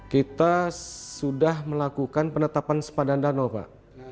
kita sudah melakukan penetapan sepadan danau pak